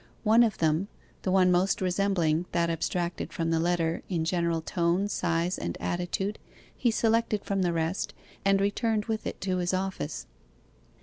One of them, the one most resembling that abstracted from the letter in general tone, size, and attitude, he selected from the rest, and returned with it to his office.